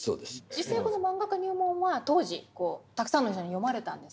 実際この「マンガ家入門」は当時たくさんの人に読まれたんですか？